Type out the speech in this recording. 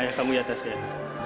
saya makin ti reactors untuk